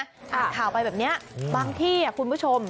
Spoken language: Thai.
บางถ่ายข่าวไปแบบนี้บางที่สงสัยคุณผู้ชม